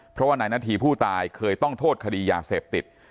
เพราะว่านายนาธีผู้ตายเคยต้องโทษคดียาเสพติด